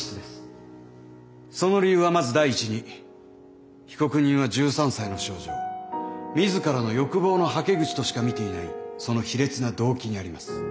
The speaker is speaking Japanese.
その理由はまず第１に被告人は１３歳の少女を自らの欲望のはけ口としか見ていないその卑劣な動機にあります。